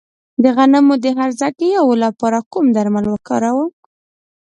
د غنمو د هرزه ګیاوو لپاره کوم درمل وکاروم؟